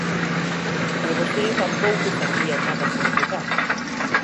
E vostede tampouco facía nada sen cobrar.